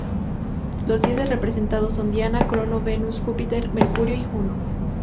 Los dioses representados son "Diana", "Crono", "Venus", "Júpiter", "Mercurio" y "Juno".